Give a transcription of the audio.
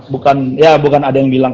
bukan ya bukan ada yang bilang